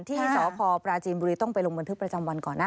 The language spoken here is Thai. ที่สพปราจีนบุรีต้องไปลงบันทึกประจำวันก่อนนะ